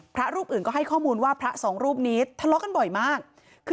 พระรูปอื่นก็ให้ข้อมูลว่าพระสองรูปนี้ทะเลาะกันบ่อยมากคือ